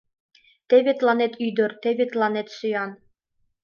Теве тыланет ӱдыр, теве тыланет сӱан!